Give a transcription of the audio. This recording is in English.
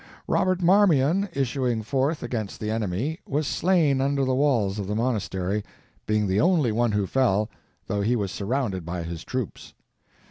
Robert Marmion, issuing forth against the enemy, was slain under the walls of the monastery, being the only one who fell, though he was surrounded by his troops.